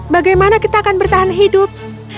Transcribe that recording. bagaimana kita akan bertahan hidup